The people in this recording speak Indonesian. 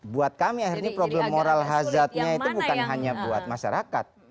buat kami akhirnya problem moral hazardnya itu bukan hanya buat masyarakat